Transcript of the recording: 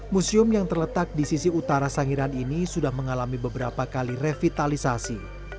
museum yang terletak di sisi utara sangiran ini sudah mengalami beberapa kali revitalisasi